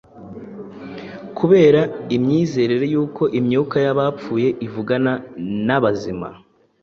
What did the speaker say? Kubera imyizerere y’uko imyuka y’abapfuye ivugana n’abazima